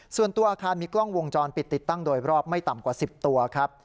ส่วนตัวอาคารมีกล้องวงจรปิดติดตั้งโดยรอบไม่ต่ำกว่า๑๐ตัวครับ